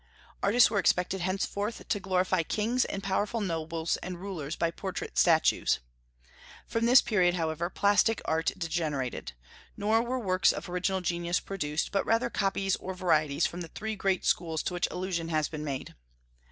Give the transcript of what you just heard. Artists were expected henceforth to glorify kings and powerful nobles and rulers by portrait statues. From this period, however, plastic art degenerated; nor were works of original genius produced, but rather copies or varieties from the three great schools to which allusion has been made.